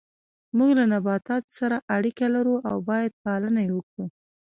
موږ له نباتاتو سره اړیکه لرو او باید پالنه یې وکړو